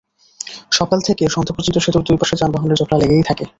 সকাল থেকে সন্ধ্যা পর্যন্ত সেতুর দুই পাশে যানবাহনের জটলা লেগেই থাকে।